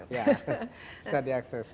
iya bisa diakses